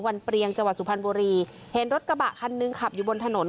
เปรียงจังหวัดสุพรรณบุรีเห็นรถกระบะคันหนึ่งขับอยู่บนถนน